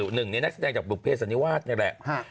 หนึ่งในนักแสดงจากบุภเสันนิวาสนี่แหละ